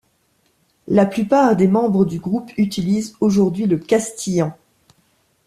La plupart des membres du groupe utilisent aujourd'hui le castillan.